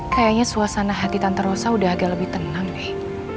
kayaknya suasana hati tante rosa udah agak lebih tenang deh